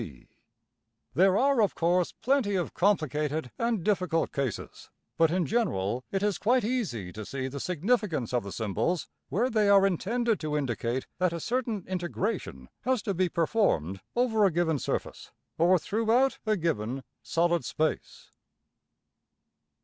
\] There are of course plenty of complicated and difficult cases; but, in general, it is quite easy to see the significance of the symbols where they are intended to indicate that a certain integration has to be performed over a given surface, or throughout a given solid space.